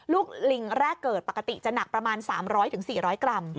ลิงแรกเกิดปกติจะหนักประมาณ๓๐๐๔๐๐กรัม